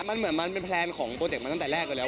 มันเหมือนมันเป็นแพลนของโปรเจกต์มาตั้งแต่แรกอยู่แล้ว